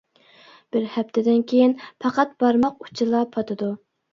بىر ھەپتىدىن كېيىن، پەقەت بارماق ئۇچىلا پاتىدۇ.